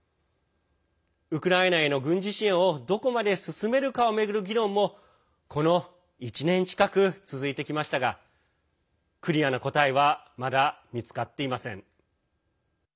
ウクライナへの軍事支援をどこまで進めるかを巡る議論もこの１年近く続いてきましたがクリアな答えはまだ見つかっていません。